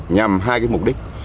nhằm hai mục đích